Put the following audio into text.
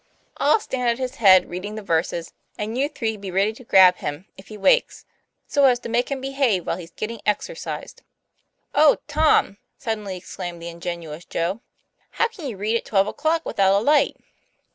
I'll stand at his head reading the verses, and you three be ready to grab him, if he wakes, so as to make him behave while he's getting exercised." " Oh, Tom !" suddenly exclaimed the ingenious Joe. " How can you read at twelve o'clock without a light?"